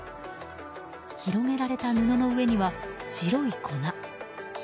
広げられた布の上には白い粉。